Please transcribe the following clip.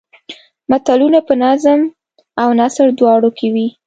متلونه په نظم او نثر دواړو کې وي